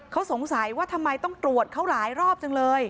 เขาสงสัยว่าทำไมต้องตรวจเขาหลายรอบจังเลย